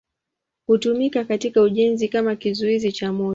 Hutumika katika ujenzi kama kizuizi cha moto.